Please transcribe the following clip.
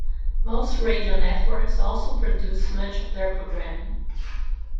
Most radio networks also produce much of their programming.